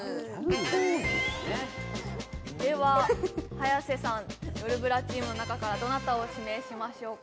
早瀬さんよるブラチームの中からどなたを指名しましょうか？